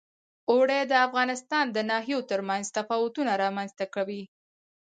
اوړي د افغانستان د ناحیو ترمنځ تفاوتونه رامنځ ته کوي.